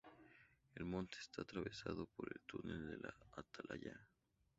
El monte está atravesado por el túnel de la Atalaya.